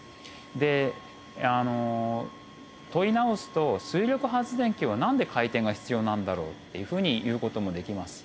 であの問い直すと水力発電機は何で回転が必要なんだろうっていうふうにいう事もできます。